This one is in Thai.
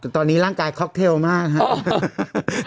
แต่ตอนนี้ร่างกายค็อกเทลมากครับ